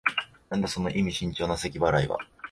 なんだ、その意味深長なせき払いは。